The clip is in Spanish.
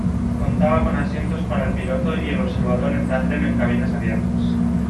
Contaba con asientos para el piloto y el observador en tándem en cabinas abiertas.